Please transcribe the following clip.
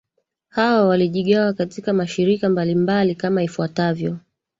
hawa walijigawa katika mashirika mbalimbali kama ifuatavyo